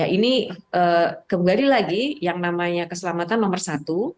ini kembali lagi yang namanya keselamatan nomor satu